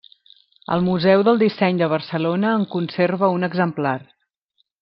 El Museu del Disseny de Barcelona en conserva un exemplar.